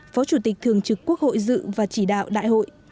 phó chủ tịch thường trực quốc hội dự và chỉ đạo đại hội